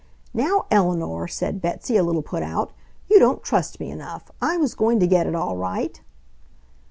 "Now, Eleanor," said Betsy, a little put out, "you don't trust me enough! I was going to get it all right!"